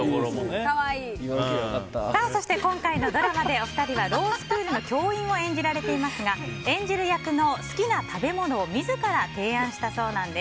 そして今回のドラマでお二人はロースクールの教員を演じられていますが演じる役の好きな食べ物を自ら提案したそうなんです。